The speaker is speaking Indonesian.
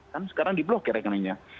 kan sekarang di blokir rekeningnya